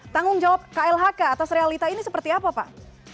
tanggung jawab klhk atas realita ini seperti apa pak